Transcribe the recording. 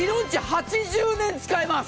８０年使えます！